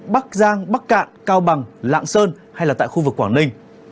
bắc giang bắc cạn cao bằng lạng sơn hay là tại khu vực quảng ninh